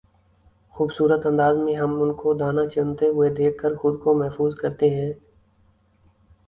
خوبصورت انداز میں ہم ان کو دانہ چنتے ہوئے دیکھ کر خود کو محظوظ کرتے ہیں